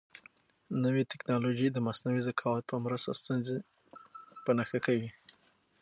نوې تکنالوژي د مصنوعي ذکاوت په مرسته ستونزې په نښه کوي.